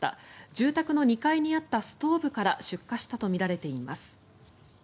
住宅の２階にあったストーブから出火したとみられています。